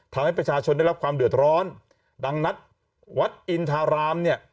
ทำให้ประชาชนได้รับความเดือดร้อนดังนั้นวัดอินทารามเนี่ย